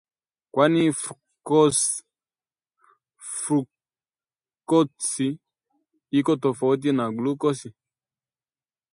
Kwani fruktosi iko tofauti na glukosi